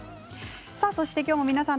そして今日も皆さん